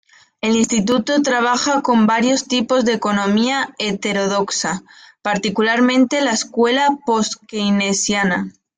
El Instituto trabaja con varios tipos de Economía heterodoxa, particularmente la Escuela Post-Keynesiana.